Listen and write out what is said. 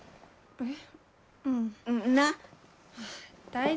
えっ！